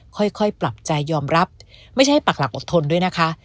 ค่อยปรับใจยอมรับไม่ใช่ปักหลักอดทนด้วยนะคะ